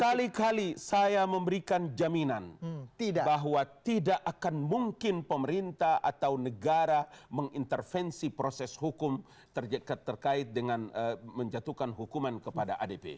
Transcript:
berkali kali saya memberikan jaminan bahwa tidak akan mungkin pemerintah atau negara mengintervensi proses hukum terkait dengan menjatuhkan hukuman kepada adp